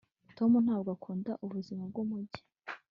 tom ntabwo akunda ubuzima bwumujyi